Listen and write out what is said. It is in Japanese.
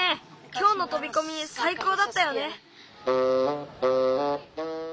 きょうのとびこみさいこうだったよね。